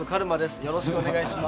よろしくお願いします。